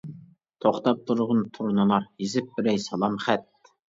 توختاپ تۇرغىن تۇرنىلار، يېزىپ بېرەي سالام خەت.